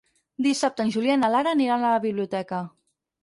Dissabte en Julià i na Lara aniran a la biblioteca.